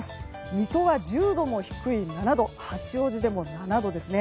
水戸は１０度も低い７度八王子でも７度です。